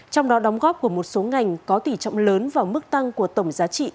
trong đó đóng góp của một số ngành có tỷ trọng lớn vào mức tăng của tổng giá trị